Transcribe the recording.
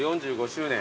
４５周年。